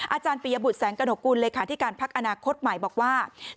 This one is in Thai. อาจารย์ปริยบุตรแสงกระโนกูลเลยค่ะที่การภักดิ์อนาคตใหม่บอกว่า